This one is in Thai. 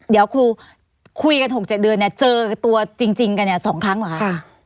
เดี๋ยวครูคุยกัน๖๗เดือนเจอตัวจริงกัน๒ครั้งหรือคะ